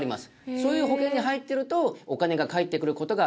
そういう保険に入ってるとお金が返ってくる事があります。